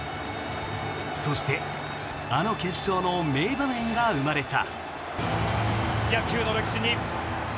そしてあの決勝の名場面が生まれた。